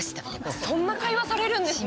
そんな会話されるんですね。